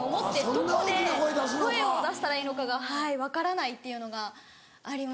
どこで声を出したらいいのかが分からないっていうのがありまして。